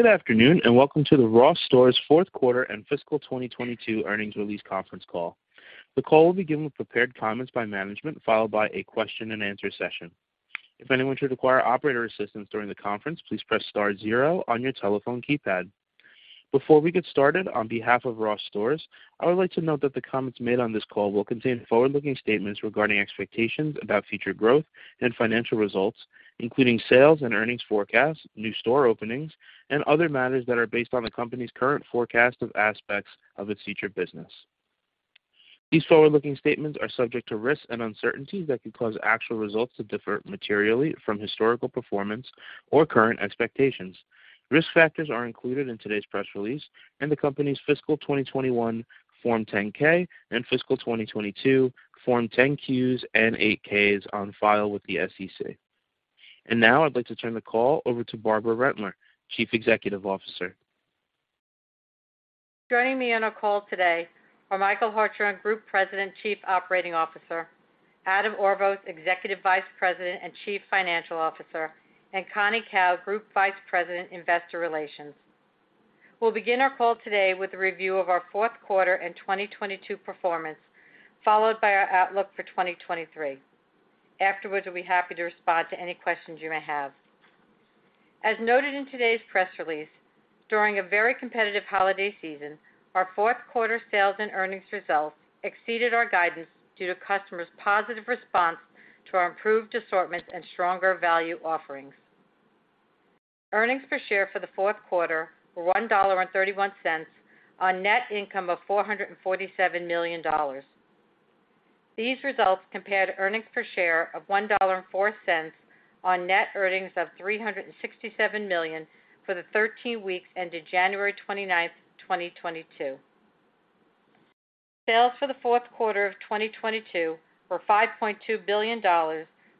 Good afternoon, and welcome to the Ross Stores Fourth Quarter and Fiscal 2022 earnings release conference call. The call will begin with prepared comments by management, followed by a question and answer session. If anyone should require operator assistance during the conference, please press star zero on your telephone keypad. Before we get started, on behalf of Ross Stores, I would like to note that the comments made on this call will contain forward-looking statements regarding expectations about future growth and financial results, including sales and earnings forecasts, new store openings, and other matters that are based on the company's current forecast of aspects of its future business. These forward-looking statements are subject to risks and uncertainties that could cause actual results to differ materially from historical performance or current expectations. Risk factors are included in today's press release and the company's fiscal 2021 Form 10-K and fiscal 2022 Form 10-Qs and 8-Ks on file with the SEC. Now I'd like to turn the call over to Barbara Rentler, Chief Executive Officer. Joining me on a call today are Michael Hartshorn, Group President, Chief Operating Officer, Adam Orvos, Executive Vice President and Chief Financial Officer, and Connie Kao, Group Vice President, Investor Relations. We'll begin our call today with a review of our fourth quarter and 2022 performance, followed by our outlook for 2023. Afterwards, we'll be happy to respond to any questions you may have. As noted in today's press release, during a very competitive holiday season, our fourth quarter sales and earnings results exceeded our guidance due to customers' positive response to our improved assortments and stronger value offerings. Earnings per share for the fourth quarter were $1.31 on net income of $447 million. These results compared to earnings per share of $1.04 on net earnings of $367 million for the 13 weeks ended January 29th, 2022. Sales for the fourth quarter of 2022 were $5.2 billion,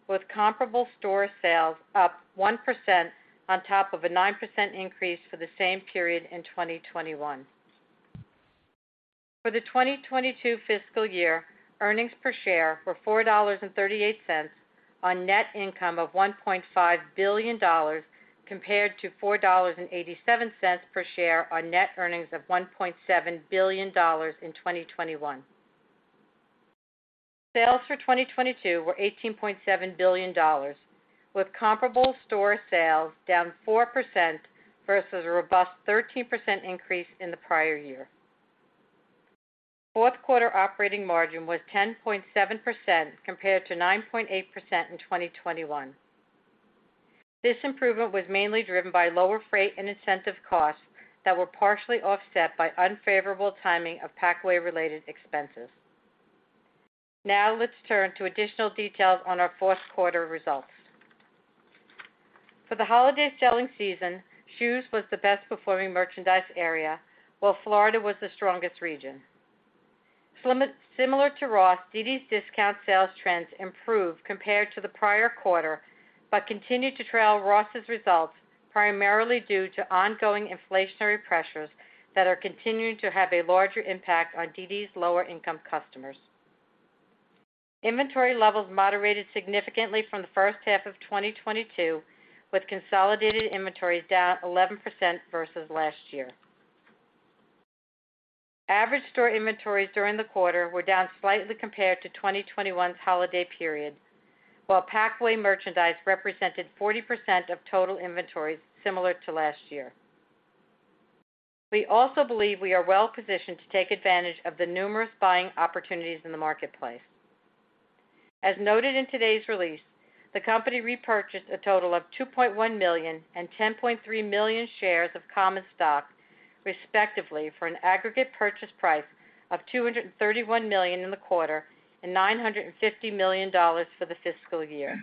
with comparable store sales up 1% on top of a 9% increase for the same period in 2021. For the 2022 fiscal year, earnings per share were $4.38 on net income of $1.5 billion, compared to $4.87 per share on net earnings of $1.7 billion in 2021. Sales for 2022 were $18.7 billion, with comparable store sales down 4% versus a robust 13% increase in the prior year. Fourth quarter operating margin was 10.7% compared to 9.8% in 2021. This improvement was mainly driven by lower freight and incentive costs that were partially offset by unfavorable timing of packaway related expenses. Let's turn to additional details on our fourth quarter results. For the holiday selling season, shoes was the best performing merchandise area, while Florida was the strongest region. Similar to Ross, dd's DISCOUNTS sales trends improved compared to the prior quarter, but continued to trail Ross's results, primarily due to ongoing inflationary pressures that are continuing to have a larger impact on dd's lower income customers. Inventory levels moderated significantly from the first half of 2022, with consolidated inventories down 11% versus last year. Average store inventories during the quarter were down slightly compared to 2021's holiday period, while packaway merchandise represented 40% of total inventories, similar to last year. We also believe we are well positioned to take advantage of the numerous buying opportunities in the marketplace. As noted in today's release, the company repurchased a total of 2.1 million and 10.3 million shares of common stock respectively for an aggregate purchase price of $231 million in the quarter and $950 million for the fiscal year.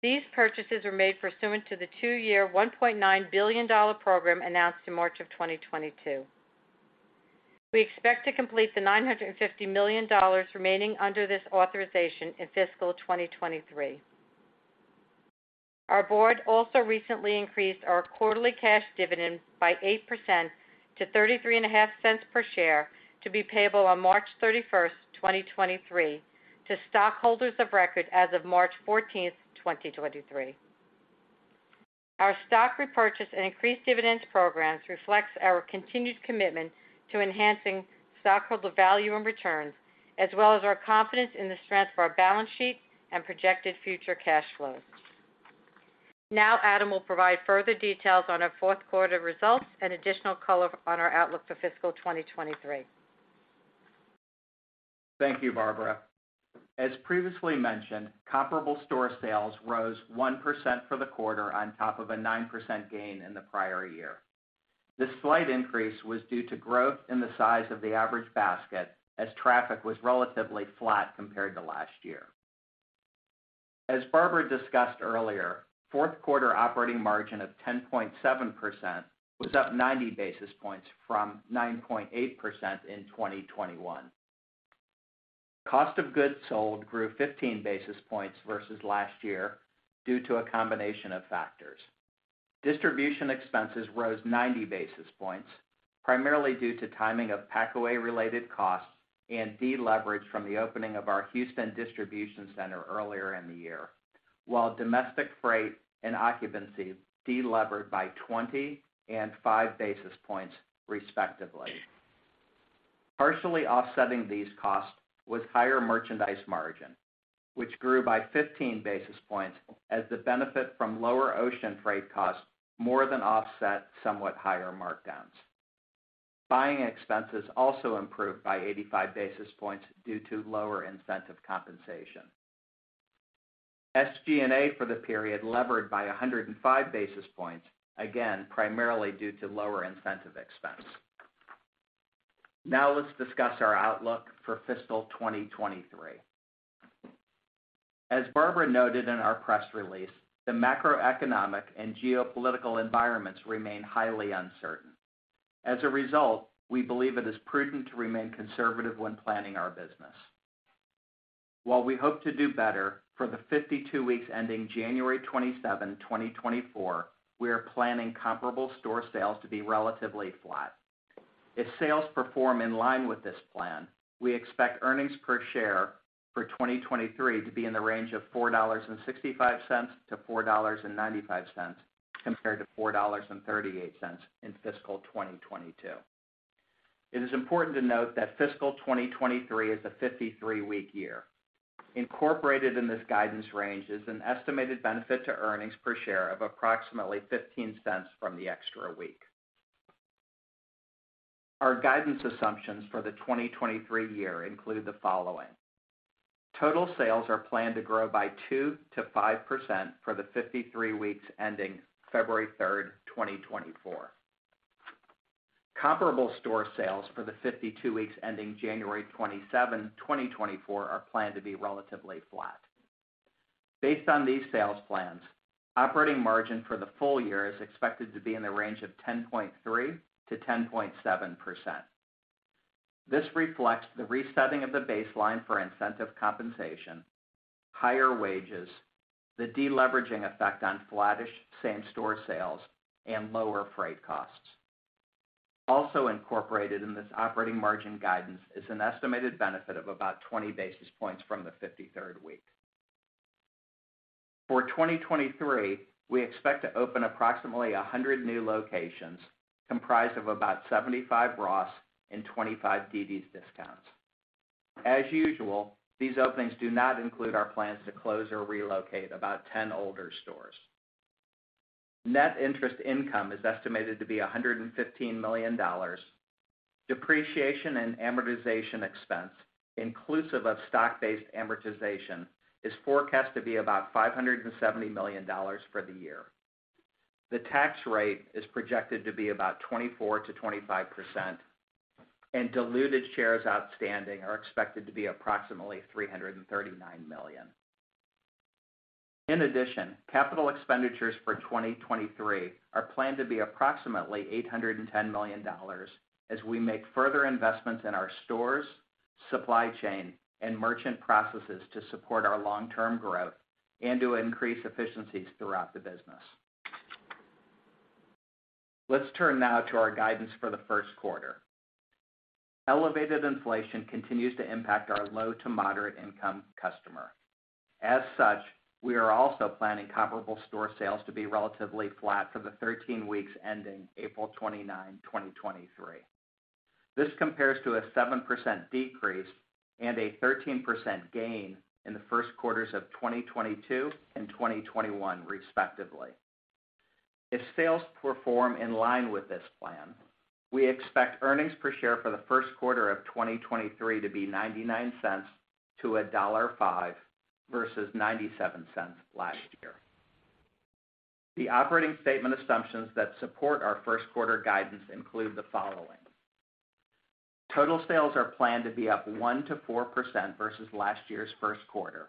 These purchases were made pursuant to the two year, $1.9 billion program announced in March of 2022. We expect to complete the $950 million remaining under this authorization in fiscal 2023. Our board also recently increased our quarterly cash dividend by 8% to $0.335 per share to be payable on March 31, 2023 to stockholders of record as of March 14, 2023. Our stock repurchase and increased dividends programs reflects our continued commitment to enhancing stockholder value and returns, as well as our confidence in the strength of our balance sheet and projected future cash flows. Now Adam will provide further details on our fourth quarter results and additional color on our outlook for fiscal 2023. Thank you, Barbara. As previously mentioned, comparable store sales rose 1% for the quarter on top of a 9% gain in the prior year. This slight increase was due to growth in the size of the average basket as traffic was relatively flat compared to last year. As Barbara discussed earlier, fourth quarter operating margin of 10.7% was up 90 basis points from 9.8% in 2021. Cost of goods sold grew 15 basis points versus last year due to a combination of factors. Distribution expenses rose 90 basis points, primarily due to timing of packaway related costs and deleverage from the opening of our Houston distribution center earlier in the year, while domestic freight and occupancy delevered by 20 and 5 basis points, respectively. Partially offsetting these costs was higher merchandise margin, which grew by 15 basis points as the benefit from lower ocean freight costs more than offset somewhat higher markdowns. Buying expenses also improved by 85 basis points due to lower incentive compensation. SG&A for the period levered by 105 basis points, again, primarily due to lower incentive expense. Let's discuss our outlook for fiscal 2023. As Barbara noted in our press release, the macroeconomic and geopolitical environments remain highly uncertain. As a result, we believe it is prudent to remain conservative when planning our business. While we hope to do better for the 52 weeks ending January 27, 2024, we are planning comparable store sales to be relatively flat. If sales perform in line with this plan, we expect earnings per share for 2023 to be in the range of $4.65 to $4.95, compared to $4.38 in fiscal 2022. It is important to note that fiscal 2023 is a 53-week year. Incorporated in this guidance range is an estimated benefit to earnings per share of approximately $0.15 from the extra week. Our guidance assumptions for the 2023 year include the following. Total sales are planned to grow by 2%-5% for the 53 weeks ending February 3rd, 2024. Comparable store sales for the 52 weeks ending January 27, 2024 are planned to be relatively flat. Base on these sales plans, operating margin for the full year is expected to be in the range of 10.3%-10.7%. This reflects the resetting of the baseline for incentive compensation, higher wages, the deleveraging effect on flattish same store sales, and lower freight costs. Incorporated in this operating margin guidance is an estimated benefit of about 20 basis points from the 53rd week. For 2023, we expect to open approximately 100 new locations comprised of about 75 Ross and 25 dd's DISCOUNTS. As usual, these openings do not include our plans to close or relocate about 10 older stores. Net interest income is estimated to be $115 million. Depreciation and amortization expense, inclusive of stock-based amortization, is forecast to be about $570 million for the year. The tax rate is projected to be about 24%-25%, and diluted shares outstanding are expected to be approximately 339 million. In addition, capital expenditures for 2023 are planned to be approximately $810 million as we make further investments in our stores, supply chain, and merchant processes to support our long-term growth and to increase efficiencies throughout the business. Let's turn now to our guidance for the first quarter. Elevated inflation continues to impact our low to moderate income customer. As such, we are also planning comparable store sales to be relatively flat for the 13 weeks ending April 29, 2023. This compares to a 7% decrease and a 13% gain in the first quarters of 2022 and 2021 respectively. If sales perform in line with this plan, we expect earnings per share for the first quarter of 2023 to be $0.99-$1.05 versus $0.97 last year. The operating statement assumptions that support our first quarter guidance include the following. Total sales are planned to be up 1%-4% versus last year's first quarter.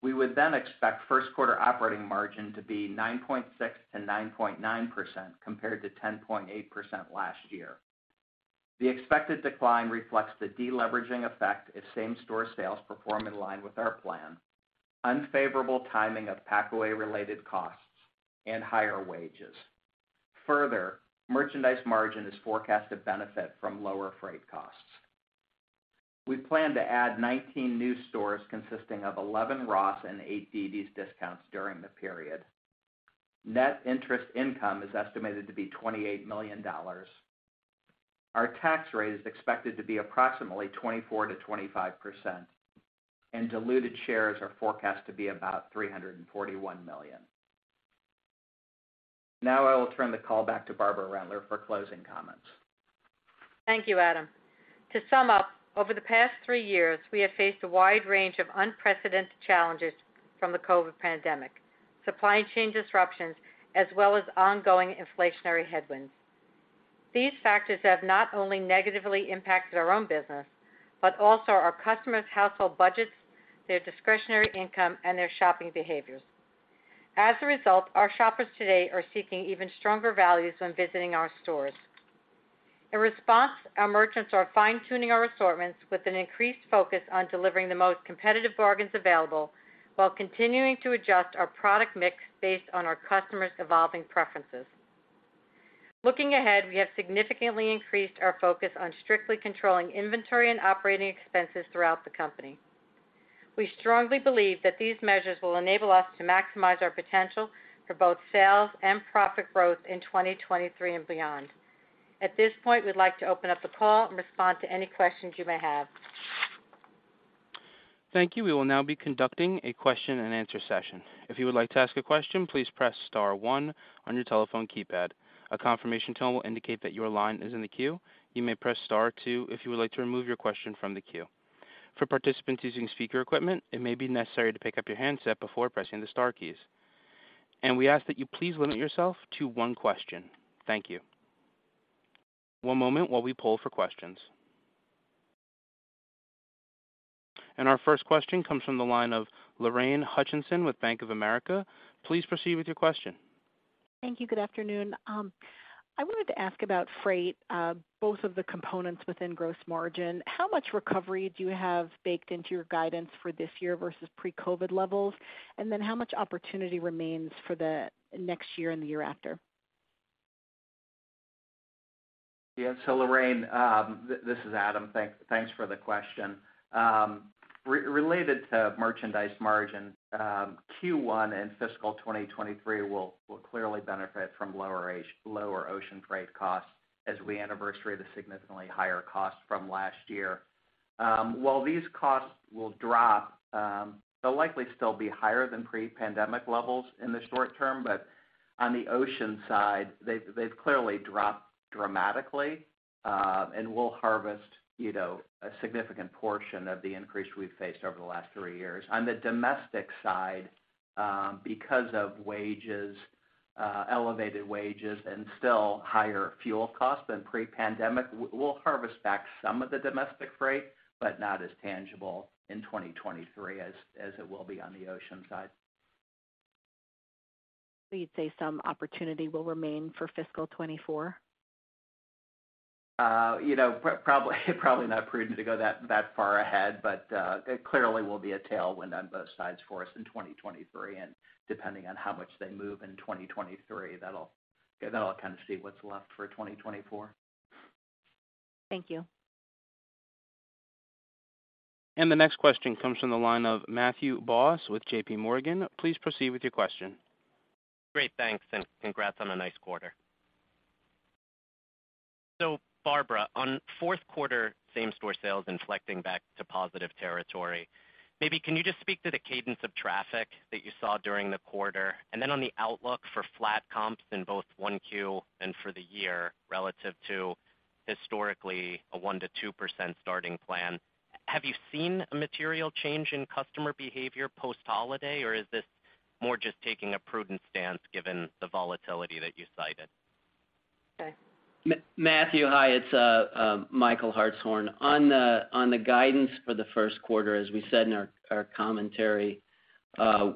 We would expect first quarter operating margin to be 9.6%-9.9% compared to 10.8% last year. The expected decline reflects the deleveraging effect if same-store sales perform in line with our plan, unfavorable timing of packaway related costs and higher wages. Further, merchandise margin is forecast to benefit from lower freight costs. We plan to add 19 new stores consisting of 11 Ross and eight dd's DISCOUNTS during the period. Net interest income is estimated to be $28 million. Our tax rate is expected to be approximately 24%-25% and diluted shares are forecast to be about 341 million. Now I will turn the call back to Barbara Rentler for closing comments. Thank you, Adam. To sum up, over the past three years, we have faced a wide range of unprecedented challenges from the COVID pandemic, supply chain disruptions, as well as ongoing inflationary headwinds. These factors have not only negatively impacted our own business, but also our customers' household budgets, their discretionary income, and their shopping behaviors. As a result, our shoppers today are seeking even stronger values when visiting our stores. In response, our merchants are fine-tuning our assortments with an increased focus on delivering the most competitive bargains available while continuing to adjust our product mix based on our customers' evolving preferences. Looking ahead, we have significantly increased our focus on strictly controlling inventory and operating expenses throughout the company. We strongly believe that these measures will enable us to maximize our potential for both sales and profit growth in 2023 and beyond. At this point, we'd like to open up the call and respond to any questions you may have. Thank you. We will now be conducting a question-and-answer session. If you would like to ask a question, please press star one on your telephone keypad. A confirmation tone will indicate that your line is in the queue. You may press star two if you would like to remove your question from the queue. For participants using speaker equipment, it may be necessary to pick up your handset before pressing the star keys. We ask that you please limit yourself to one question. Thank you. One moment while we poll for questions. And our first question comes from the line of Lorraine Hutchinson with Bank of America. Please proceed with your question. Thank you. Good afternoon. I wanted to ask about freight, both of the components within gross margin. How much recovery do you have baked into your guidance for this year versus pre-COVID levels? Then how much opportunity remains for the next year and the year after? Yes. Lorraine, this is Adam. Thanks for the question. Related to merchandise margin, Q1 in fiscal 2023 will clearly benefit from lower ocean freight costs as we anniversary the significantly higher costs from last year. While these costs will drop, they'll likely still be higher than pre-pandemic levels in the short term, but on the ocean side, they've clearly dropped dramatically and will harvest, you know, a significant portion of the increase we've faced over the last three years. On the domestic side, because of wages, elevated wages and still higher fuel costs than pre-pandemic, we'll harvest back some of the domestic freight, but not as tangible in 2023 as it will be on the ocean side. You'd say some opportunity will remain for fiscal 2024? You know, probably not prudent to go that far ahead, but there clearly will be a tailwind on both sides for us in 2023, and depending on how much they move in 2023, that'll kinda see what's left for 2024. Thank you. The next question comes from the line of Matthew Boss with JPMorgan. Please proceed with your question. Great. Thanks, congrats on a nice quarter. So Barbara, on fourth quarter same-store sales inflecting back to positive territory, maybe can you just speak to the cadence of traffic that you saw during the quarter? On the outlook for flat comps in both 1Q and for the year, relative to historically a 1%-2% starting plan, have you seen a material change in customer behavior post-holiday, or is this more just taking a prudent stance given the volatility that you cited? Okay. Matthew, hi, it's Michael Hartshorn. On the guidance for the first quarter, as we said in our commentary,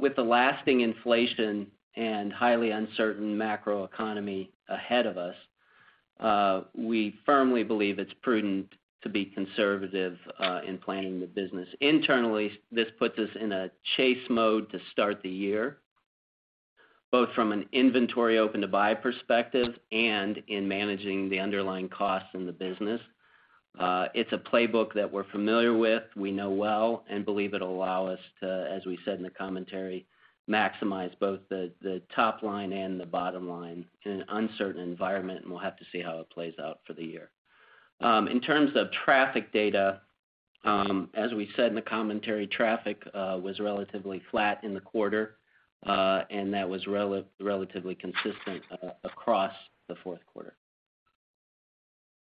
with the lasting inflation and highly uncertain macroeconomy ahead of us, we firmly believe it's prudent to be conservative in planning the business. Internally, this puts us in a chase mode to start the year, both from an inventory open to buy perspective and in managing the underlying costs in the business. It's a playbook that we're familiar with, we know well, and believe it'll allow us to, as we said in the commentary, maximize both the top line and the bottom line in an uncertain environment. We'll have to see how it plays out for the year. In terms of traffic data, as we said in the commentary, traffic was relatively flat in the quarter, and that was relatively consistent across the fourth quarter.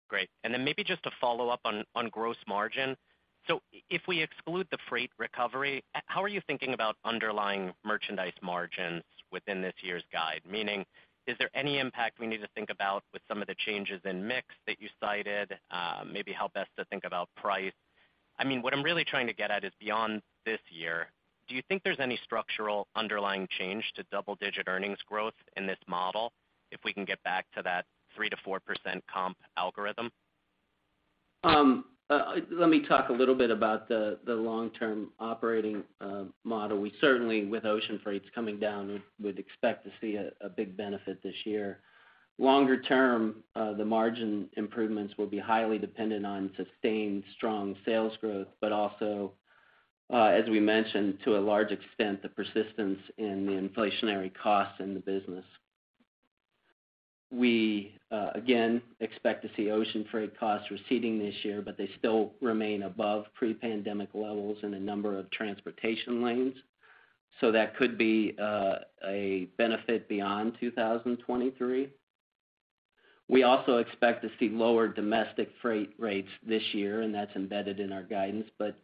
Great. Then maybe just to follow up on gross margin. If we exclude the freight recovery, how are you thinking about underlying merchandise margins within this year's guide? Meaning, is there any impact we need to think about with some of the changes in mix that you cited, maybe how best to think about price? I mean, what I'm really trying to get at is beyond this year, do you think there's any structural underlying change to double-digit earnings growth in this model if we can get back to that 3%-4% comp algorithm? Let me talk a little bit about the long-term operating model. We certainly, with ocean freights coming down, would expect to see a big benefit this year. Longer term, the margin improvements will be highly dependent on sustained strong sales growth, but also, as we mentioned, to a large extent, the persistence in the inflationary costs in the business. We again, expect to see ocean freight costs receding this year, but they still remain above pre-pandemic levels in a number of transportation lanes, so that could be a benefit beyond 2023. We also expect to see lower domestic freight rates this year, and that's embedded in our guidance, but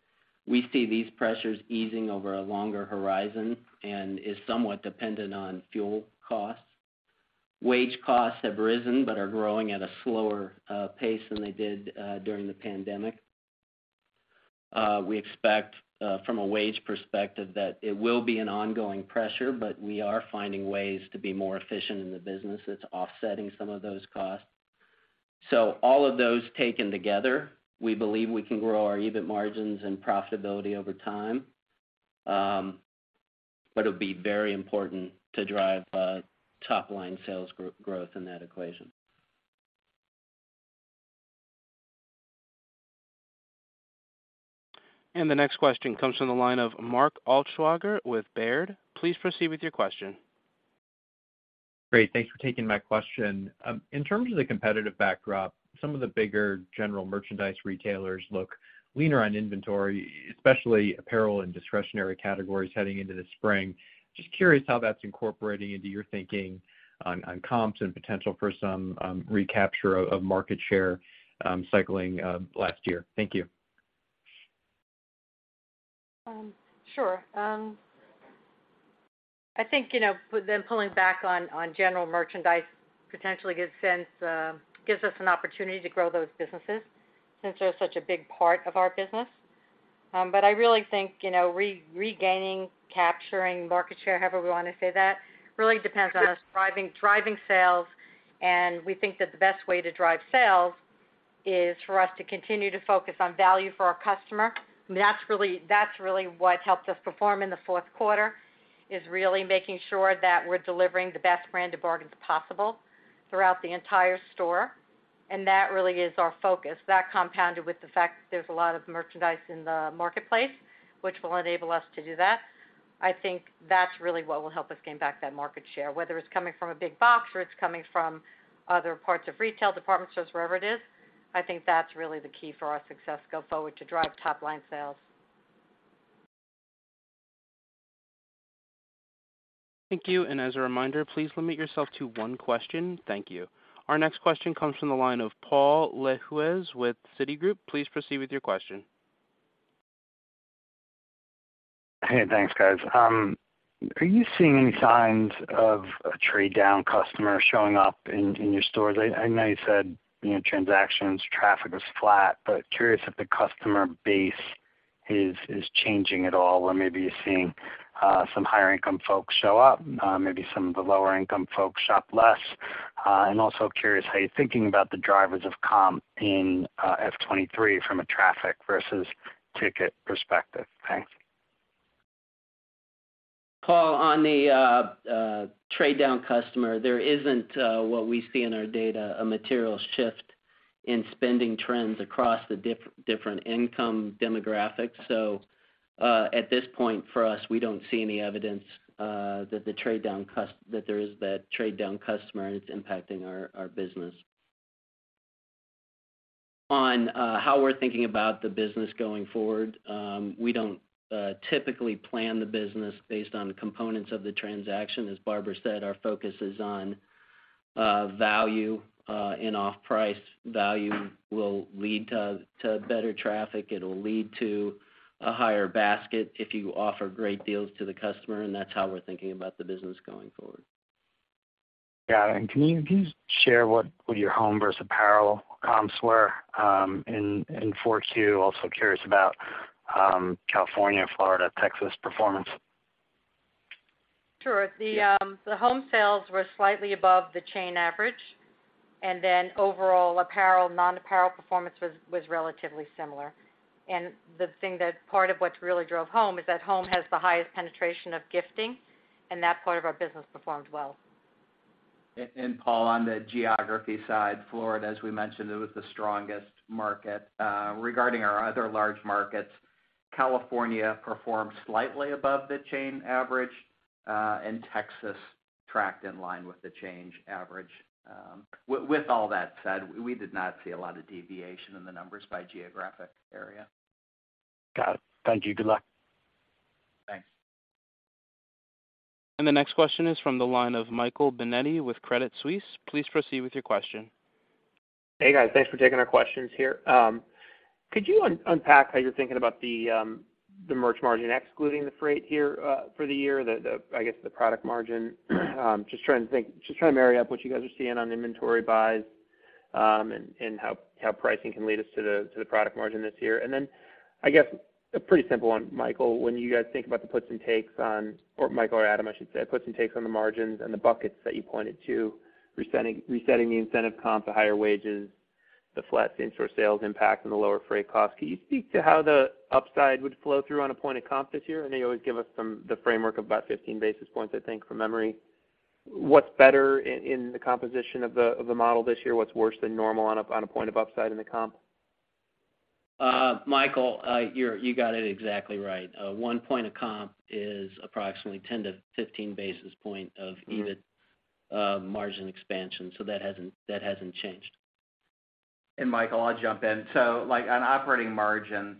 we see these pressures easing over a longer horizon and is somewhat dependent on fuel costs. Wage costs have risen, but are growing at a slower pace than they did during the pandemic. We expect from a wage perspective that it will be an ongoing pressure, but we are finding ways to be more efficient in the business that's offsetting some of those costs. So all of those taken together, we believe we can grow our EBIT margins and profitability over time. It'll be very important to drive top-line sales growth in that equation. The next question comes from the line of Mark Altschwager with Baird. Please proceed with your question. Great. Thanks for taking my question. In terms of the competitive backdrop, some of the bigger general merchandise retailers look leaner on inventory, especially apparel and discretionary categories heading into the spring. Just curious how that's incorporating into your thinking on comps and potential for some recapture of market share, cycling last year? Thank you. Sure. I think, you know, with them pulling back on general merchandise potentially gives us an opportunity to grow those businesses since they're such a big part of our business. I really think, you know, regaining, capturing market share, however we wanna say that, really depends on us driving sales, and we think that the best way to drive sales is for us to continue to focus on value for our customer. That's really what helped us perform in the fourth quarter, is really making sure that we're delivering the best brand of bargains possible throughout the entire store, and that really is our focus. That compounded with the fact that there's a lot of merchandise in the marketplace, which will enable us to do that. I think that's really what will help us gain back that market share, whether it's coming from a big box or it's coming from other parts of retail, department stores, wherever it is, I think that's really the key for our success going forward, to drive top line sales. Thank you. As a reminder, please limit yourself to one question. Thank you. Our next question comes from the line of Paul Lejuez with Citigroup. Please proceed with your question. Hey, thanks, guys. Are you seeing any signs of a trade down customer showing up in your stores?I know you said, you know, transactions, traffic was flat. Curious if the customer base is changing at all or maybe you're seeing some higher income folks show up, maybe some of the lower income folks shop less? Also curious how you're thinking about the drivers of comp in F 2023 from a traffic versus ticket perspective? Thanks. Paul, on the trade down customer, there isn't what we see in our data, a material shift in spending trends across the different income demographics. At this point, for us, we don't see any evidence that the trade down customer that's impacting our business. How we're thinking about the business going forward, we don't typically plan the business based on components of the transaction. As Barbara said, our focus is on value and off-price. Value will lead to better traffic. It'll lead to a higher basket if you offer great deals to the customer, and that's how we're thinking about the business going forward. Got it. Can you just share what your home versus apparel comps were in 4Q? Also curious about California, Florida, Texas performance. Sure. The home sales were slightly above the chain average. Overall, apparel, non-apparel performance was relatively similar. The thing that part of what really drove home is that home has the highest penetration of gifting, and that part of our business performed well. And Paul, on the geography side, Florida, as we mentioned, it was the strongest market. Regarding our other large markets, California performed slightly above the chain average, and Texas tracked in line with the change average. With all that said, we did not see a lot of deviation in the numbers by geographic area. Got it. Thank you. Good luck. Thanks. The next question is from the line of Michael Binetti with Credit Suisse. Please proceed with your question. Hey, guys. Thanks for taking our questions here. Could you unpack how you're thinking about the merch margin excluding the freight here for the year? The, I guess, the product margin. Just trying to marry up what you guys are seeing on inventory buys and how pricing can lead us to the product margin this year. I guess, a pretty simple one, Michael, when you guys think about the puts and takes on or Michael or Adam, I should say, puts and takes on the margins and the buckets that you pointed to, resetting the incentive comp to higher wages, the flat same store sales impact and the lower freight cost. Can you speak to how the upside would flow through on a point of comp this year? I know you always give us the framework of about 15 basis points, I think, from memory. What's better in the composition of the model this year? What's worse than normal on a point of upside in the comp? Michael, you got it exactly right. One point of comp is approximately 10 to 15 basis point of EBIT, margin expansion. That hasn't changed. Michael, I'll jump in. Like, on operating margin,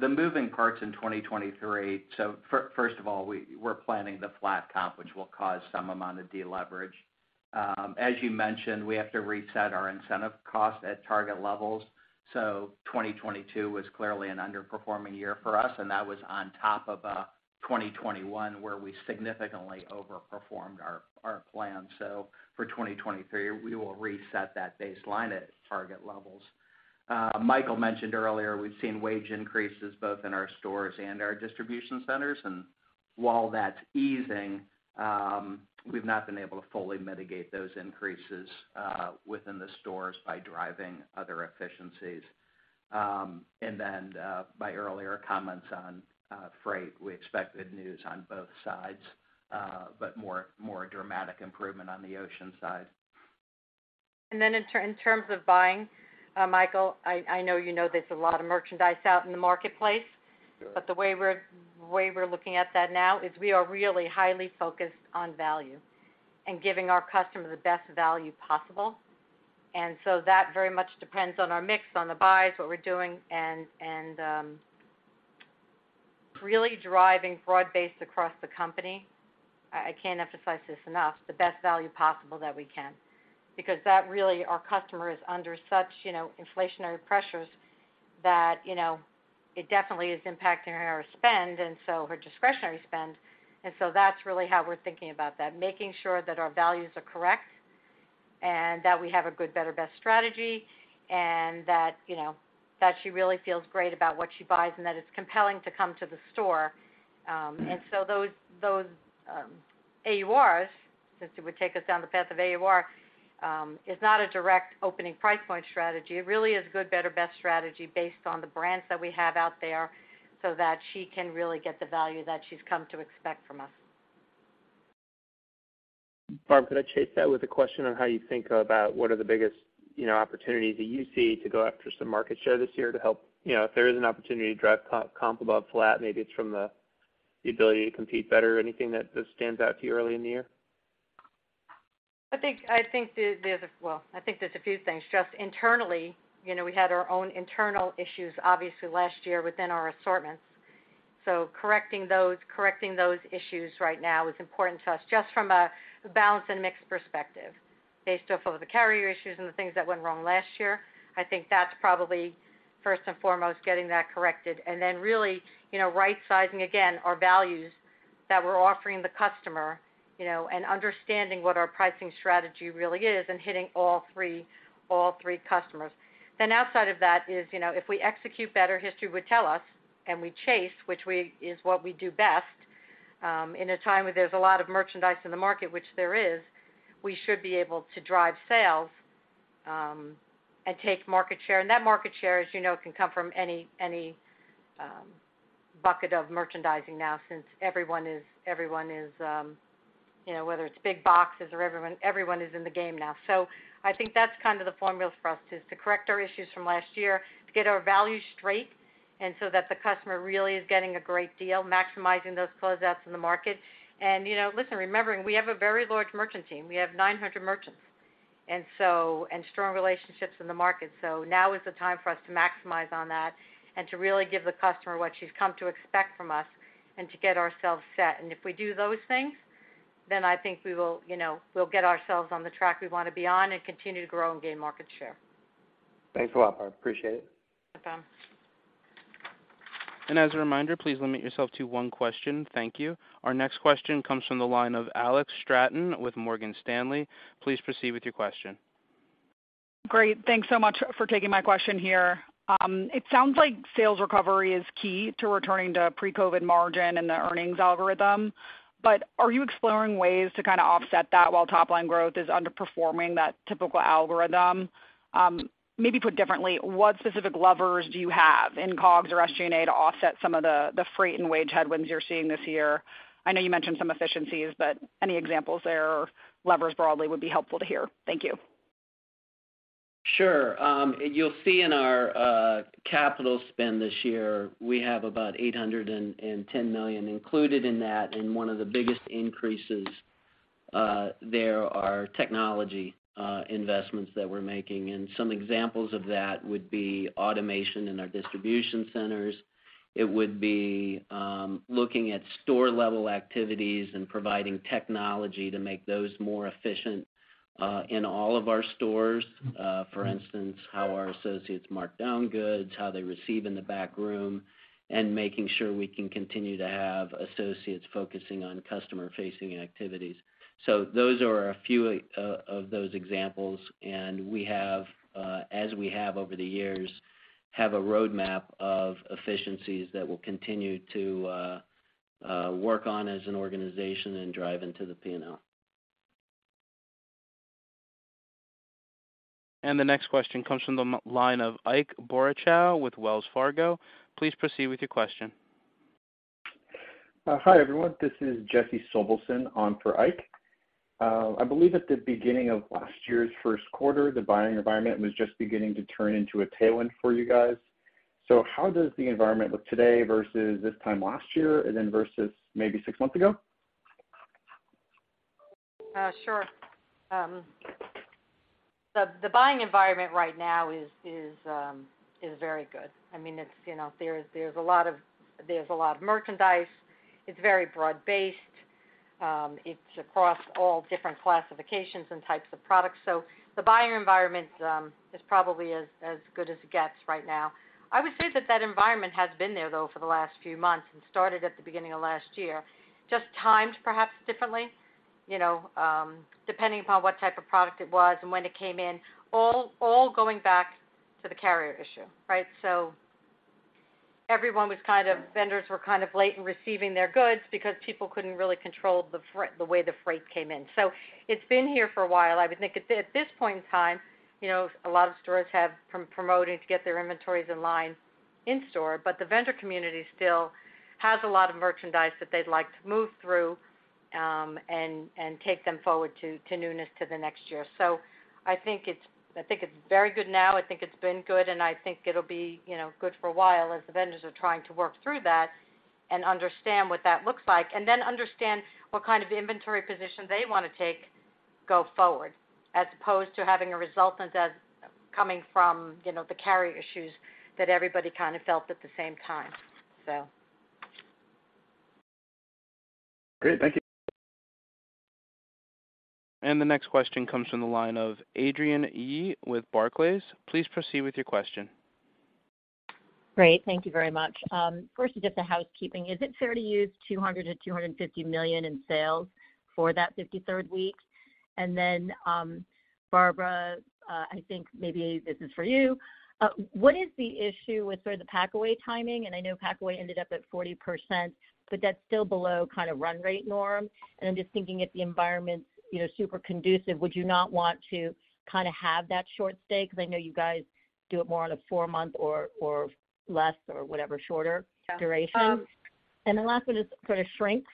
the moving parts in 2023. First of all, we're planning the flat comp, which will cause some amount of deleverage. As you mentioned, we have to reset our incentive cost at target levels. 2022 was clearly an underperforming year for us, and that was on top of 2021, where we significantly overperformed our plan. For 2023, we will reset that baseline at target levels. Michael mentioned earlier we've seen wage increases both in our stores and our distribution centers, and. While that's easing, we've not been able to fully mitigate those increases, within the stores by driving other efficiencies. My earlier comments on freight, we expect good news on both sides, but more dramatic improvement on the ocean side. In terms of buying, Michael, I know you know there's a lot of merchandise out in the marketplace. Yeah. The way we're looking at that now is we are really highly focused on value and giving our customer the best value possible. That very much depends on our mix, on the buys, what we're doing, and really driving broad-based across the company, I can't emphasize this enough, the best value possible that we can. That really, our customer is under such, you know, inflationary pressures that, you know, it definitely is impacting our spend, and so her discretionary spend. That's really how we're thinking about that, making sure that our values are correct and that we have a good, better, best strategy, and that, you know, that she really feels great about what she buys and that it's compelling to come to the store. Those AURs, since it would take us down the path of AUR, is not a direct opening price point strategy. It really is good, better, best strategy based on the brands that we have out there so that she can really get the value that she's come to expect from us. Barb, could I chase that with a question on how you think about what are the biggest, you know, opportunities that you see to go after some market share this year. You know, if there is an opportunity to drive comp above flat, maybe it's from the ability to compete better. Anything that just stands out to you early in the year? I think – well, I think there's a few things. Just internally, you know, we had our own internal issues, obviously, last year within our assortments. Correcting those issues right now is important to us, just from a balance and mix perspective. Based off of the carrier issues and the things that went wrong last year, I think that's probably first and foremost, getting that corrected. Really, you know, right-sizing again our values that we're offering the customer, you know, and understanding what our pricing strategy really is and hitting all three customers. Outside of that is, you know, if we execute better, history would tell us, and we chase, which is what we do best, in a time where there's a lot of merchandise in the market, which there is, we should be able to drive sales, and take market share. That market share, as you know, can come from any bucket of merchandising now, since everyone is, you know, whether it's big boxes or everyone is in the game now. I think that's kind of the formula for us, is to correct our issues from last year, to get our values straight, and so that the customer really is getting a great deal, maximizing those closeouts in the market. You know, listen, remembering, we have a very large merchant team. We have 900 merchants. Strong relationships in the market. Now is the time for us to maximize on that and to really give the customer what she's come to expect from us and to get ourselves set. If we do those things, then I think we will, you know, we'll get ourselves on the track we wanna be on and continue to grow and gain market share. Thanks a lot, Barb. Appreciate it. No problem. As a reminder, please limit yourself to one question. Thank you. Our next question comes from the line of Alex Straton with Morgan Stanley. Please proceed with your question. Great. Thanks so much for taking my question here. It sounds like sales recovery is key to returning to pre-COVID margin and the earnings algorithm. Are you exploring ways to kinda offset that while top line growth is underperforming that typical algorithm? Maybe put differently, what specific levers do you have in COGS or SG&A to offset some of the freight and wage headwinds you're seeing this year? I know you mentioned some efficiencies, but any examples there or levers broadly would be helpful to hear. Thank you. Sure. You'll see in our capital spend this year, we have about $810 million included in that. One of the biggest increases there are technology investments that we're making. Some examples of that would be automation in our distribution centers. It would be looking at store-level activities and providing technology to make those more efficient in all of our stores. For instance, how our associates mark down goods, how they receive in the back room, and making sure we can continue to have associates focusing on customer-facing activities. Those are a few of those examples, and we have, as we have over the years, have a roadmap of efficiencies that we'll continue to work on as an organization and drive into the P&L. The next question comes from the m-line of Ike Boruchow with Wells Fargo. Please proceed with your question. Hi, everyone. This is Jesse Sobelson on for Ike. I believe at the beginning of last year's first quarter, the buying environment was just beginning to turn into a tailwind for you guys. How does the environment look today versus this time last year and then versus maybe six months ago? Sure. The buying environment right now is very good. I mean, it's, you know, there's a lot of merchandise. It's very broad-based. It's across all different classifications and types of products. The buying environment is probably as good as it gets right now. I would say that environment has been there though for the last few months and started at the beginning of last year, just timed perhaps differently. You know, depending upon what type of product it was and when it came in, all going back to the carrier issue, right? Vendors were kind of late in receiving their goods because people couldn't really control the way the freight came in. It's been here for a while. I would think at this point in time, you know, a lot of stores have promoting to get their inventories in line in store, but the vendor community still has a lot of merchandise that they'd like to move through, and take them forward to newness to the next year. I think it's, I think it's very good now, I think it's been good, and I think it'll be, you know, good for a while as the vendors are trying to work through that and understand what that looks like. Understand what kind of inventory position they wanna take go forward as opposed to having a result that's coming from, you know, the carrier issues that everybody kind of felt at the same time. Great. Thank you. The next question comes from the line of Adrienne Yih with Barclays. Please proceed with your question. Great. Thank you very much. First, just a housekeeping. Is it fair to use $200 million-$250 million in sales for that 53rd week? Then, Barbara, I think maybe this is for you. What is the issue with sort of the packaway timing? I know packaway ended up at 40%, but that's still below kind of run rate norm. I'm just thinking if the environment's, you know, super conducive, would you not want to kinda have that short stay? 'Cause I know you guys do it more on a four month or less or whatever, shorter duration. Um- The last one is for the shrink.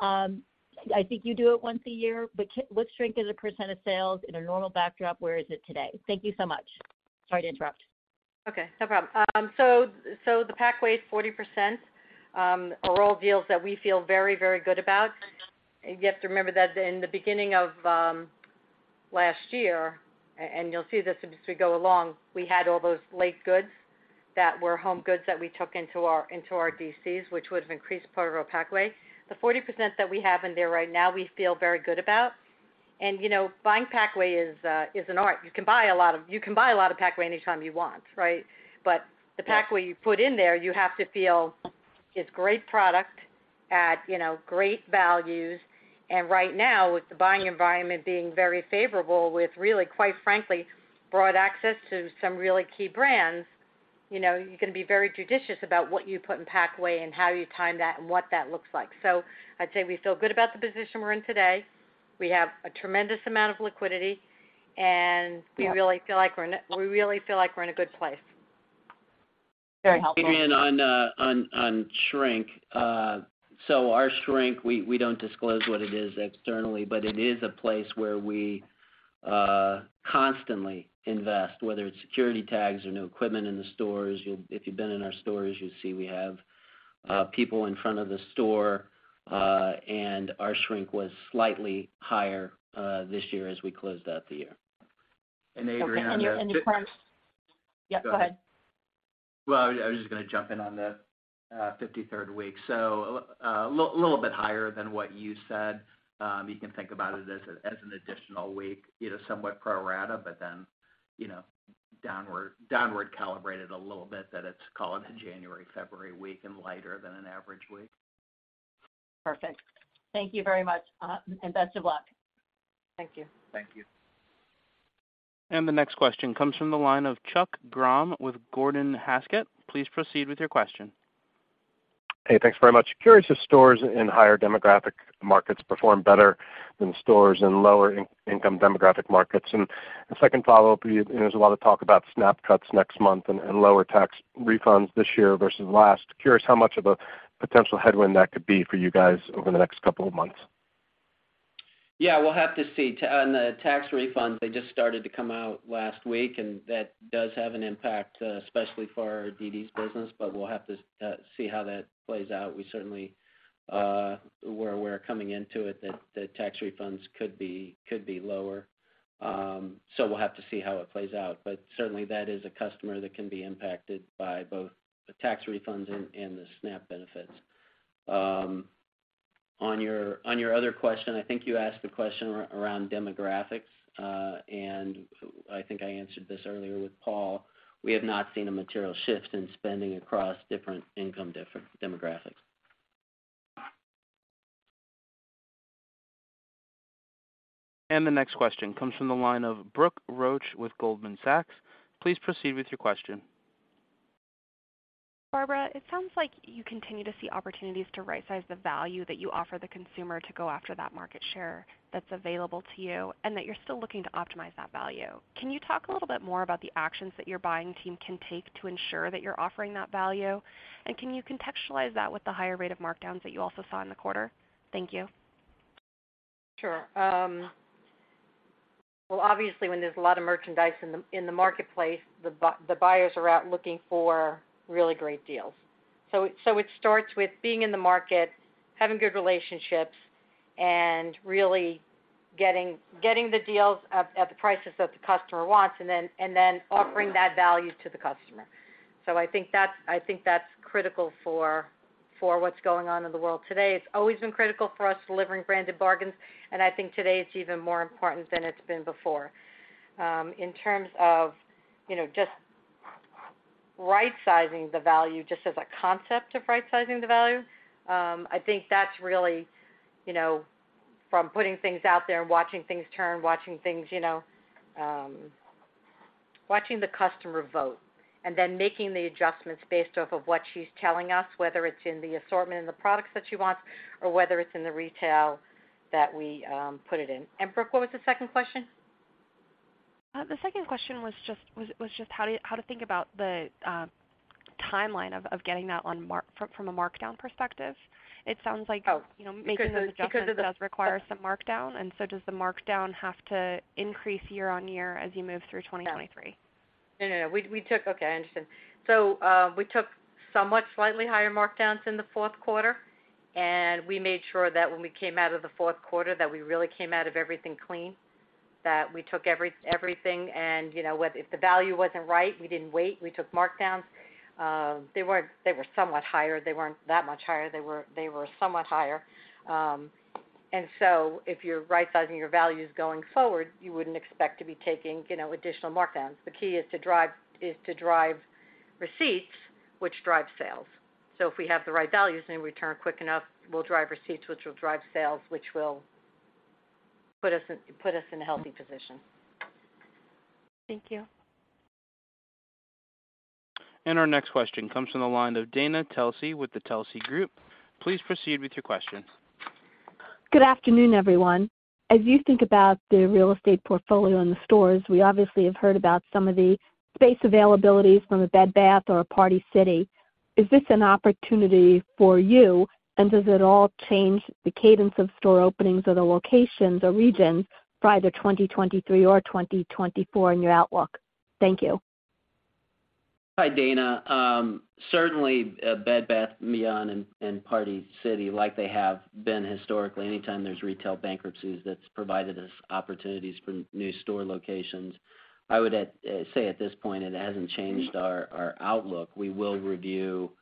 I think you do it once a year, but what's shrink as a percent of sales in a normal backdrop? Where is it today? Thank you so much. Sorry to interrupt. No problem. The packaway is 40% are all deals that we feel very good about. You have to remember that in the beginning of last year, and you'll see this as we go along, we had all those late goods that were home goods that we took into our DCs, which would have increased part of our packaway. The 40% that we have in there right now, we feel very good about. You know, buying packaway is an art. You can buy a lot of packaway anytime you want, right? The packaway you put in there, you have to feel it's great product at, you know, great values. And right now, with the buying environment being very favorable with really, quite frankly, broad access to some really key brands, you know, you're gonna be very judicious about what you put in packaway and how you time that and what that looks like. I'd say we feel good about the position we're in today. We have a tremendous amount of liquidity, and we really feel like we're in a good place. Very helpful. Adrienne, on shrink. Our shrink, we don't disclose what it is externally, but it is a place where we constantly invest, whether it's security tags or new equipment in the stores. If you've been in our stores, you'll see we have people in front of the store, and our shrink was slightly higher this year as we closed out the year. And Adrienne. Okay. your, and your plans... Yep, go ahead. I was just gonna jump in on the 53rd week. A little bit higher than what you said. You can think about it as an additional week, you know, somewhat pro rata, you know, downward calibrated a little bit that it's called a January, February week and lighter than an average week. Perfect. Thank you very much. Best of luck. Thank you. Thank you. The next question comes from the line of Chuck Grom with Gordon Haskett. Please proceed with your question. Hey, thanks very much. Curious if stores in higher demographic markets perform better than stores in lower income demographic markets. A second follow-up, you know, there's a lot of talk about SNAP cuts next month and lower tax refunds this year versus last. Curious how much of a potential headwind that could be for you guys over the next couple of months. We'll have to see. On the tax refunds, they just started to come out last week, and that does have an impact, especially for our dd's business, but we'll have to see how that plays out. We certainly, we're coming into it that the tax refunds could be lower. We'll have to see how it plays out. But certainly that is a customer that can be impacted by both the tax refunds and the SNAP benefits. On your other question, I think you asked a question around demographics. I think I answered this earlier with Paul. We have not seen a material shift in spending across different income demographics. The next question comes from the line of Brooke Roach with Goldman Sachs. Please proceed with your question. Barbara, it sounds like you continue to see opportunities to right-size the value that you offer the consumer to go after that market share that's available to you and that you're still looking to optimize that value. Can you talk a little bit more about the actions that your buying team can take to ensure that you're offering that value? Can you contextualize that with the higher rate of markdowns that you also saw in the quarter? Thank you. Sure. Well, obviously, when there's a lot of merchandise in the, in the marketplace, the buyers are out looking for really great deals. It starts with being in the market, having good relationships, and really getting the deals at the prices that the customer wants, and then offering that value to the customer. I think that's critical for what's going on in the world today. It's always been critical for us delivering branded bargains. I think today it's even more important than it's been before. In terms of, you know, right sizing the value just as a concept of right sizing the value, I think that's really, you know, from putting things out there and watching things turn, watching things, you know, watching the customer vote, then making the adjustments based off of what she's telling us, whether it's in the assortment and the products that she wants or whether it's in the retail that we put it in. Brooke, what was the second question? The second question was just how to think about the timeline of getting that on from a markdown perspective. It sounds like- Oh. You know, making those adjustments does require some markdown, and so does the markdown have to increase year-on-year as you move through 2023? No. No, no. We took. Okay, I understand. We took somewhat slightly higher markdowns in the fourth quarter, and we made sure that when we came out of the fourth quarter, that we really came out of everything clean, that we took everything. You know, whether if the value wasn't right, we didn't wait, we took markdowns. They weren't they were somewhat higher. They weren't that much higher. They were somewhat higher. If you're right sizing your values going forward, you wouldn't expect to be taking, you know, additional markdowns. The key is to drive receipts, which drive sales. If we have the right values and we return quick enough, we'll drive receipts, which will drive sales, which will put us in a healthy position. Thank you. Our next question comes from the line of Dana Telsey with Telsey Advisory Group. Please proceed with your question. Good afternoon, everyone. As you think about the real estate portfolio in the stores, we obviously have heard about some of the space availabilities from a Bed Bath or a Party City. Is this an opportunity for you, and does it all change the cadence of store openings or the locations or regions for either 2023 or 2024 in your outlook? Thank you. Hi, Dana. Certainly, Bed Bath & Beyond and Party City, like they have been historically, anytime there's retail bankruptcies, that's provided us opportunities for new store locations. I would say at this point, it hasn't changed our outlook. We will review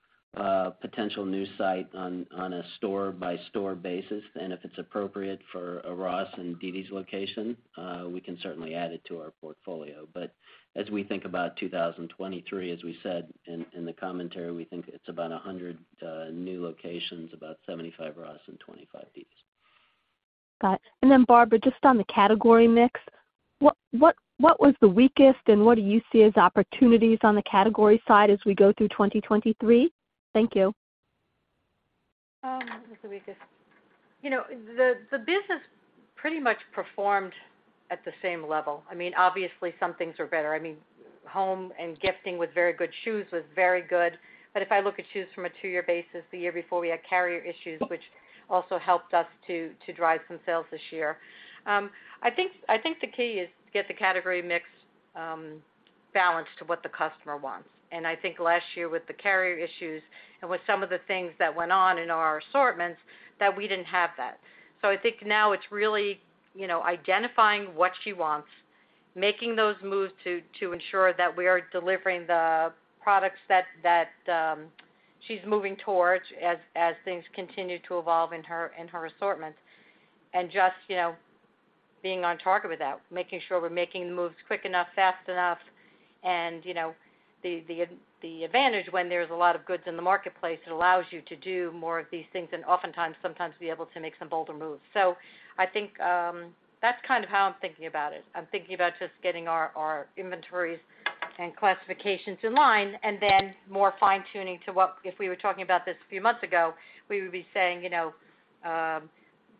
potential new site on a store-by-store basis. If it's appropriate for a Ross and dd's location, we can certainly add it to our portfolio. As we think about 2023, as we said in the commentary, we think it's about 100 new locations, about 75 Ross and 25 dd's. Got it. Barbara, just on the category mix, what was the weakest and what do you see as opportunities on the category side as we go through 2023? Thank you. What was the weakest? You know, the business pretty much performed at the same level. I mean, obviously some things are better. I mean, home and gifting was very good. Shoes was very good. If I look at shoes from a two-year basis, the year before we had carrier issues, which also helped us to drive some sales this year. I think the key is to get the category mix balanced to what the customer wants. I think last year with the carrier issues and with some of the things that went on in our assortments, that we didn't have that. So i think now it's really, you know, identifying what she wants, making those moves to ensure that we are delivering the products that she's moving towards as things continue to evolve in her assortment, and just, you know, being on target with that, making sure we're making the moves quick enough, fast enough. You know, the advantage when there's a lot of goods in the marketplace, it allows you to do more of these things and oftentimes sometimes be able to make some bolder moves. I think that's kind of how I'm thinking about it. I'm thinking about just getting our inventories and classifications in line and then more fine-tuning to what... If we were talking about this a few months ago, we would be saying, you know,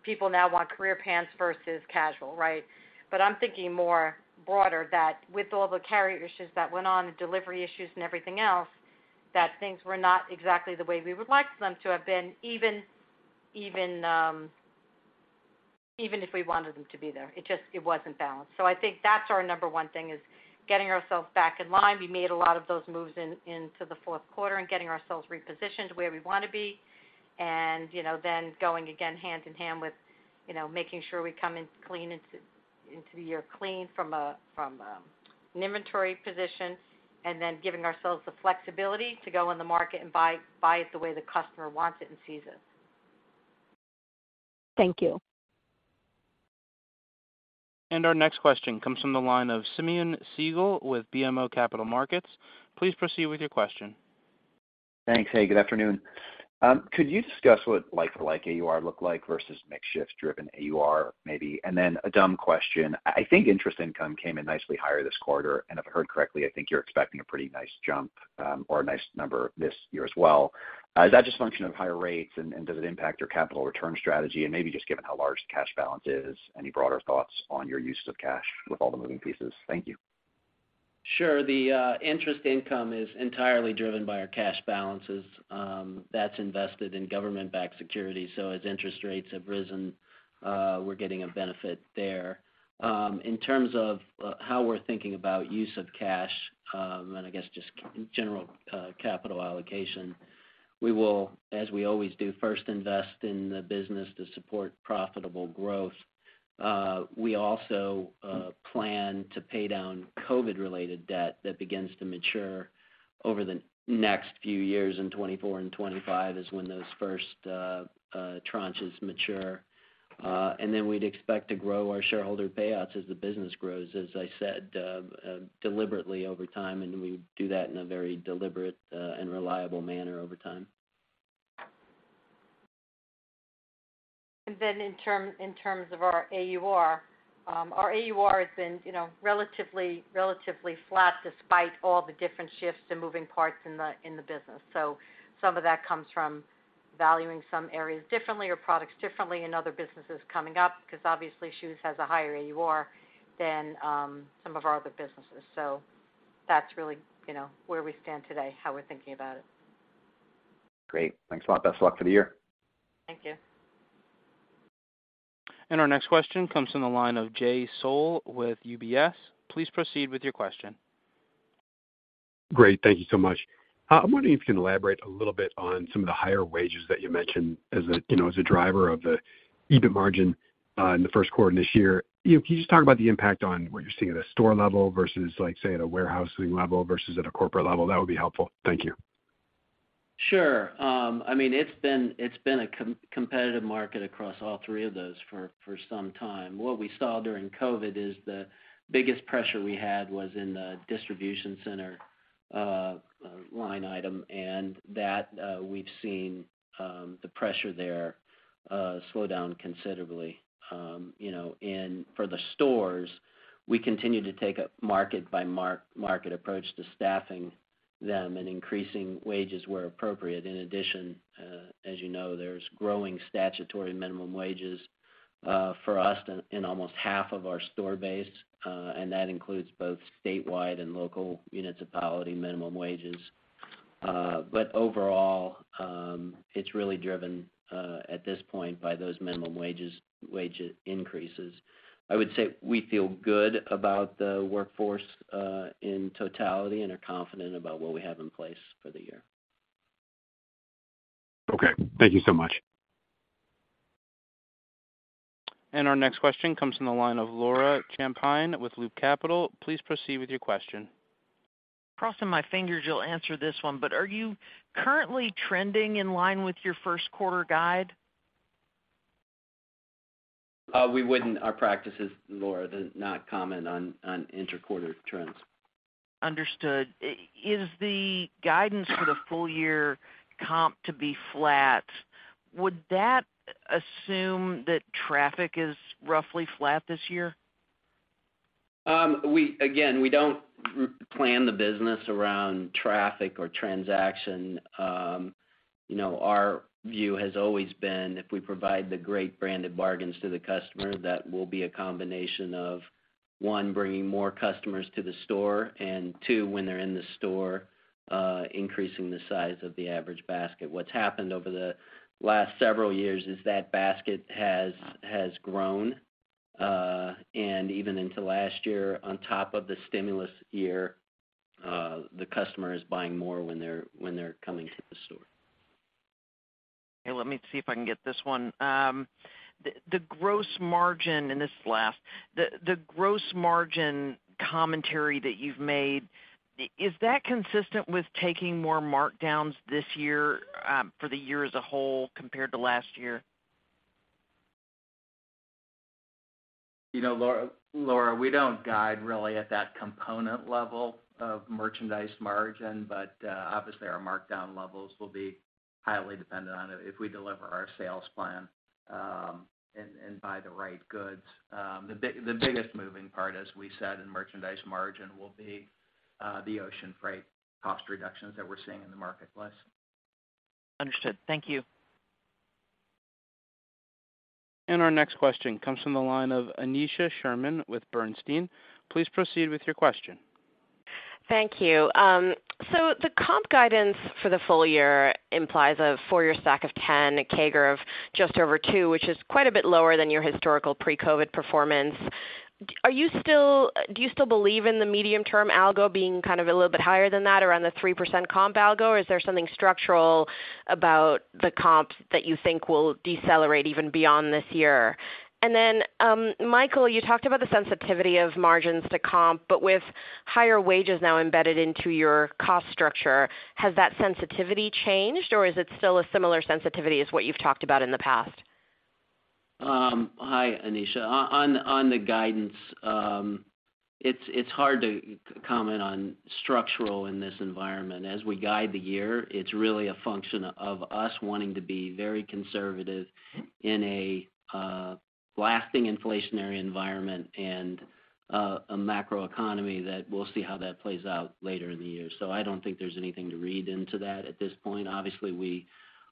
people now want career pants versus casual, right? I'm thinking more broader that with all the carrier issues that went on, the delivery issues and everything else, that things were not exactly the way we would like them to have been, even if we wanted them to be there. It just, it wasn't balanced. I think that's our number one thing is getting ourselves back in line. We made a lot of those moves into the fourth quarter and getting ourselves repositioned where we wanna be. You know, then going again hand in hand with, you know, making sure we come in clean into the year clean from an inventory position, and then giving ourselves the flexibility to go in the market and buy it the way the customer wants it and sees it. Thank you. Our next question comes from the line of Simeon Siegel with BMO Capital Markets. Please proceed with your question. Thanks. Hey, good afternoon. Could you discuss what like AUR look like versus mix shift driven AUR maybe? Then a dumb question. I think interest income came in nicely higher this quarter, and if I heard correctly, I think you're expecting a pretty nice jump, or a nice number this year as well. Is that just a function of higher rates and does it impact your capital return strategy? Maybe just given how large the cash balance is, any broader thoughts on your uses of cash with all the moving pieces? Thank you. Sure. The interest income is entirely driven by our cash balances, that's invested in government-backed securities. As interest rates have risen, we're getting a benefit there. In terms of how we're thinking about use of cash, I guess just general capital allocation, we will, as we always do, first invest in the business to support profitable growth. We also plan to pay down COVID related debt that begins to mature over the next few years in 2024 and 2025 is when those first tranches mature. Then we'd expect to grow our shareholder payouts as the business grows, as I said, deliberately over time, and we do that in a very deliberate and reliable manner over time. In terms of our AUR. Our AUR has been, you know, relatively flat despite all the different shifts and moving parts in the business. Some of that comes from valuing some areas differently or products differently and other businesses coming up because obviously shoes has a higher AUR than some of our other businesses. That's really, you know, where we stand today, how we're thinking about it. Great. Thanks a lot. Best of luck for the year. Thank you. Our next question comes from the line of Jay Sole with UBS. Please proceed with your question. Great, thank you so much. I'm wondering if you can elaborate a little bit on some of the higher wages that you mentioned as a, you know, as a driver of the EBIT margin, in the first quarter this year. You know, can you just talk about the impact on what you're seeing at a store level versus, like, say, at a warehousing level versus at a corporate level? That would be helpful. Thank you. Sure. I mean, it's been a competitive market across all three of those for some time. What we saw during COVID is the biggest pressure we had was in the distribution center line item, and that we've seen the pressure there slow down considerably. You know, for the stores, we continue to take a market by market approach to staffing them and increasing wages where appropriate. In addition, as you know, there's growing statutory minimum wages for us in almost half of our store base, and that includes both statewide and local municipality minimum wages. Overall, it's really driven at this point by those minimum wages, wage increases. I would say we feel good about the workforce in totality and are confident about what we have in place for the year. Okay. Thank you so much. Our next question comes from the line of Laura Champine with Loop Capital. Please proceed with your question. Crossing my fingers you'll answer this one, but are you currently trending in line with your first quarter guide? Our practice is, Laura, to not comment on inter-quarter trends. Understood. Is the guidance for the full year comp to be flat? Would that assume that traffic is roughly flat this year? Again, we don't plan the business around traffic or transaction. You know, our view has always been if we provide the great branded bargains to the customer, that will be a combination of, one, bringing more customers to the store, and two, when they're in the store, increasing the size of the average basket. What's happened over the last several years is that basket has grown, and even into last year on top of the stimulus year, the customer is buying more when they're coming to the store. Okay, let me see if I can get this one. The gross margin, and this is the last. The gross margin commentary that you've made, is that consistent with taking more markdowns this year, for the year as a whole compared to last year? You know, Laura, we don't guide really at that component level of merchandise margin. Obviously our markdown levels will be highly dependent on if we deliver our sales plan and buy the right goods. The biggest moving part, as we said in merchandise margin, will be the ocean freight cost reductions that we're seeing in the marketplace. Understood. Thank you. Our next question comes from the line of Aneesha Sherman with Bernstein. Please proceed with your question. Thank you. The comp guidance for the full year implies a four-year stack of 10, a CAGR of just over 2%, which is quite a bit lower than your historical pre-COVID performance. Do you still believe in the medium-term algo being kind of a little bit higher than that around the 3% comp algo? Is there something structural about the comp that you think will decelerate even beyond this year? And then, Michael, you talked about the sensitivity of margins to comp, but with higher wages now embedded into your cost structure, has that sensitivity changed, or is it still a similar sensitivity as what you've talked about in the past? Hi, Aneesha. On the guidance, it's hard to comment on structural in this environment. As we guide the year, it's really a function of us wanting to be very conservative in a lasting inflationary environment and a macroeconomy that we'll see how that plays out later in the year. I don't think there's anything to read into that at this point. Obviously, we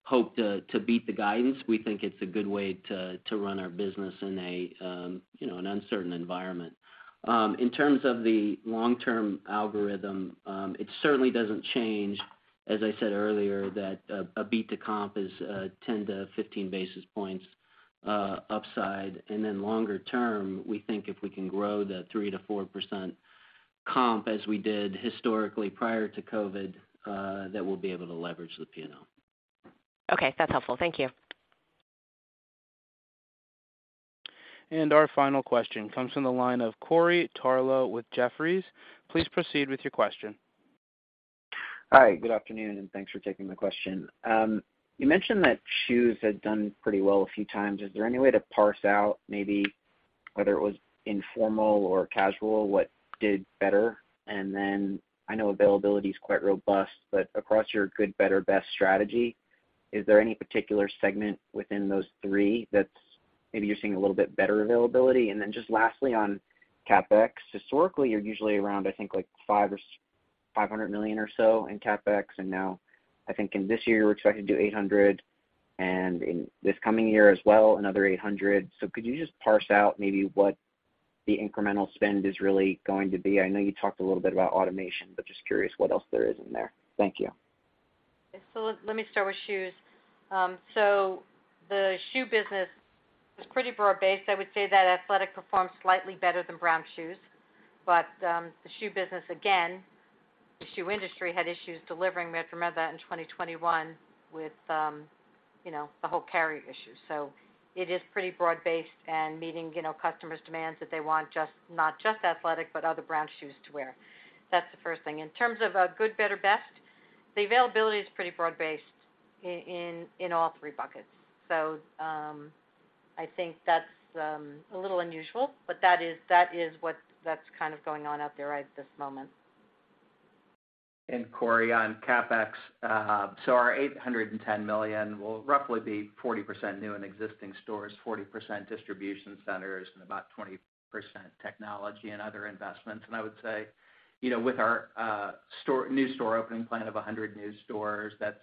hope to beat the guidance. We think it's a good way to run our business in a, you know, an uncertain environment. In terms of the long-term algorithm, it certainly doesn't change. As I said earlier, that a beat to comp is 10 to 15 basis points upside. Then longer term, we think if we can grow the 3%-4% comp as we did historically prior to COVID, that we'll be able to leverage the P&L. Okay, that's helpful. Thank you. Our final question comes from the line of Corey Tarlowe with Jefferies. Please proceed with your question. Hi, good afternoon, thanks for taking the question. You mentioned that shoes had done pretty well a few times. Is there any way to parse out maybe whether it was informal or casual, what did better? I know availability is quite robust, but across your good, better, best strategy, is there any particular segment within those three that's maybe you're seeing a little bit better availability? Just lastly, on CapEx, historically, you're usually around, I think, like $500 million or so in CapEx, and now I think in this year, you're expected to do $800 million, and in this coming year as well, another $800 million. Could you just parse out maybe what the incremental spend is really going to be? I know you talked a little bit about automation, but just curious what else there is in there. Thank you. Let me start with shoes. The shoe business is pretty broad-based. I would say that athletic performs slightly better than brown shoes. The shoe business, again, the shoe industry had issues delivering remember in 2021 with, you know, the whole carrier issue. It is pretty broad-based and meeting, you know, customers' demands that they want just, not just athletic, but other brown shoes to wear. That's the first thing. In terms of good, better, best, the availability is pretty broad-based in all three buckets. I think that's a little unusual, but that is, that is what that's kind of going on out there right at this moment. And Corey, on CapEx. So our $810 million will roughly be 40% new and existing stores, 40% distribution centers, and about 20% technology and other investments. I would say, you know, with our new store opening plan of 100 new stores, that's,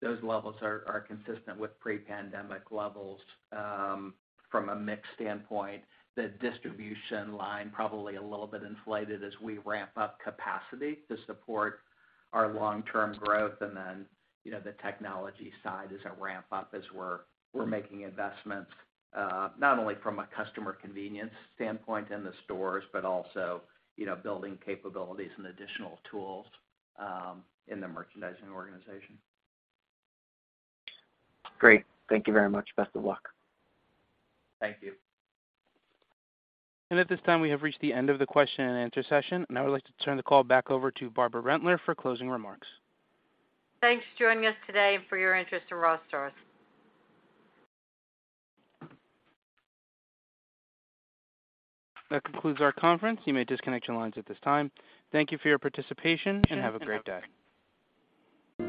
those levels are consistent with pre-pandemic levels from a mix standpoint. The distribution line probably a little bit inflated as we ramp up capacity to support our long-term growth. Then, you know, the technology side is a ramp up as we're making investments not only from a customer convenience standpoint in the stores, but also, you know, building capabilities and additional tools in the merchandising organization. Great. Thank you very much. Best of luck. Thank you. At this time, we have reached the end of the question and answer session, and I would like to turn the call back over to Barbara Rentler for closing remarks. Thanks for joining us today and for your interest in Ross Stores. That concludes our conference. You may disconnect your lines at this time. Thank you for your participation and have a great day.